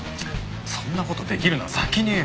そんな事できるなら先に言えよ！